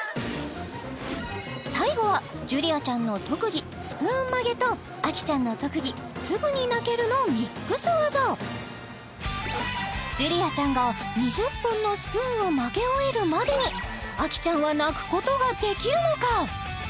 最後はジュリアちゃんの特技スプーン曲げと愛貴ちゃんの特技すぐに泣けるのミックス技ジュリアちゃんが２０本のスプーンを曲げ終えるまでに愛貴ちゃんは泣くことができるのか？